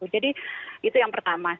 jadi itu yang pertama